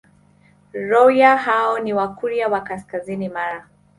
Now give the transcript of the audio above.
Rorya hao ni Wakurya wa kaskazini Mara